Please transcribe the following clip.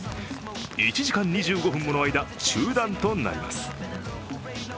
１時間２５分もの間、中断となります。